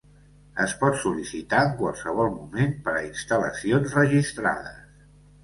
Es pot sol·licitar en qualsevol moment per a instal·lacions registrades.